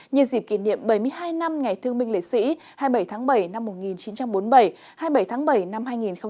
nhân dịp kỷ niệm bảy mươi hai năm ngày thương binh lễ sĩ hai mươi bảy tháng bảy năm một nghìn chín trăm bốn mươi bảy hai mươi bảy tháng bảy năm hai nghìn hai mươi